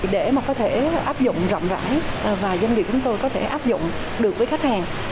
để mà có thể áp dụng rộng rãi và doanh nghiệp chúng tôi có thể áp dụng được với khách hàng